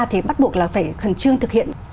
thì bắt buộc là phải khẩn trương thực hiện